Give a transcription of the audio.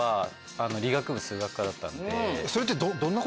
それって。